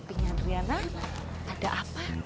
papinya adriana ada apa